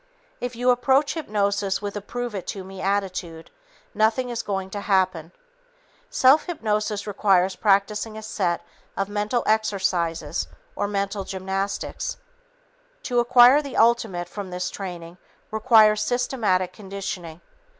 If you approach hypnosis with a "prove it to me" attitude, nothing is going to happen. Self hypnosis requires practicing a set of mental exercises or mental gymnastics. To acquire the ultimate from this training requires systematic conditioning.